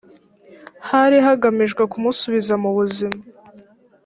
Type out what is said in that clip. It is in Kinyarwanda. hari hagamijwe kumusubiza mu buzima